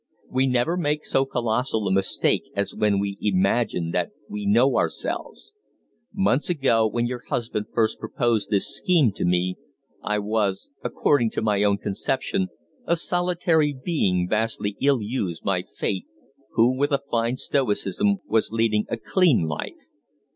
"We never make so colossal a mistake as when we imagine that we know ourselves. Months ago, when your husband first proposed this scheme to me, I was, according to my own conception, a solitary being vastly ill used by Fate, who, with a fine stoicism, was leading a clean life.